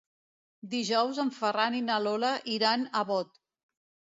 Dijous en Ferran i na Lola iran a Bot.